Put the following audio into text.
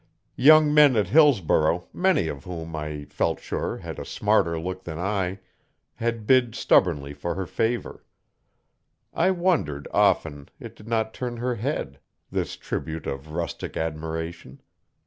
Young men at Hillsborough many of whom, I felt sure, had a smarter look than I had bid stubbornly for her favour. I wondered, often, it did not turn her head this tribute of rustic admiration.